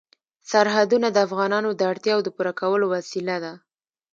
سرحدونه د افغانانو د اړتیاوو د پوره کولو وسیله ده.